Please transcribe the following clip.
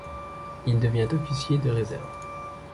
Il devient officier de réserve.